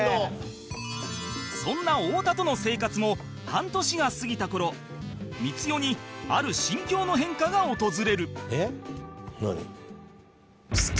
そんな太田との生活も半年が過ぎた頃光代にある心境の変化が訪れる